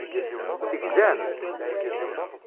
Tegzam?